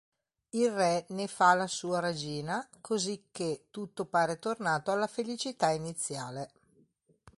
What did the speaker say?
Il re ne fa la sua regina, cosicché tutto pare tornato alla felicità iniziale.